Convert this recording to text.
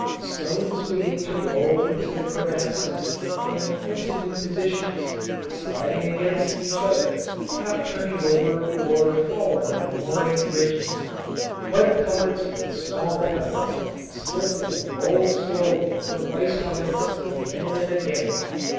Stones begin to roll into the crevasses and into new positions, sliding against each other, half turning over or falling on moraine ridges. Mud pellets with small pebbles slip and roll slowly from ice hummocks again and again.